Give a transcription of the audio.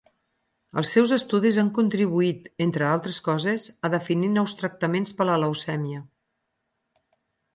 Els seus estudis han contribuït, entre altres coses, a definir nous tractaments per la leucèmia.